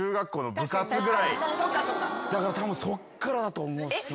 だからたぶんそっからだと思うっすな。